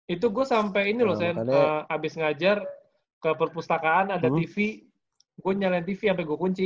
itu gue sampai ini loh saya habis ngajar ke perpustakaan ada tv gue nyalain tv sampai gue kunci